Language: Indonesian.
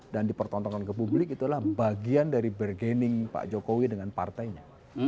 dan dipertontonkan ke publik itulah bagian dari bergening pak jokowi dengan partainya